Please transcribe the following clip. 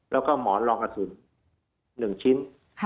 แล้วก็หมอนรองกระสุน๑ชิ้น